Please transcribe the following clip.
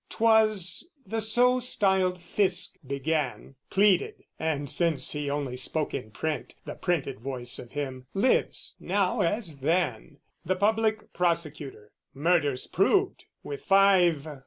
'Twas the so styled Fisc began, Pleaded (and since he only spoke in print The printed voice of him lives now as then) The public Prosecutor "Murder's proved; "With five...